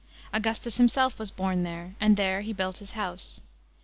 Augustus himself was born there, and there he built his house.